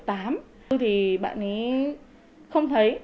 thứ bốn thì bạn ấy không thấy